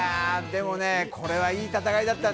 でもこれはいい戦いだった。